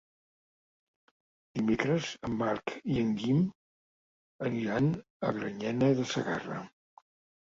Dimecres en Marc i en Guim aniran a Granyena de Segarra.